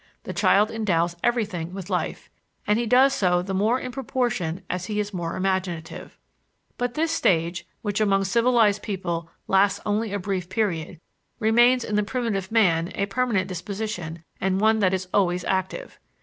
The child endows everything with life, and he does so the more in proportion as he is more imaginative. But this stage, which among civilized people lasts only a brief period, remains in the primitive man a permanent disposition and one that is always active.